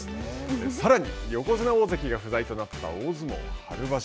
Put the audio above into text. さらに、横綱大関が不在となった大相撲春場所。